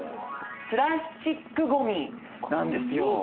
プラスチックごみなんですよ。